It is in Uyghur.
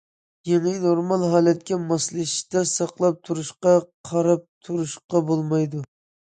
يېڭى نورمال ھالەتكە ماسلىشىشتا، ساقلاپ تۇرۇشقا، قاراپ تۇرۇشقا بولمايدۇ.